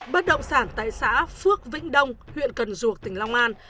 bất động sản tại xã phước vĩnh đông huyện cần duộc tỉnh long an